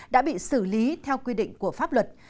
đã bị xử lý theo quy định của pháp luật